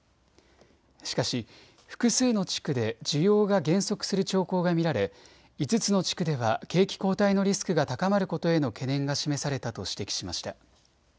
しかし複数の地区で需要が減速する兆候が見られ５つの地区では景気後退のリスクが高まることへの懸念が示されたと指摘しました。